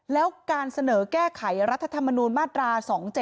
แล้วการเสนอแก้ไขรัฐธรรมนูญมาตรา๒๗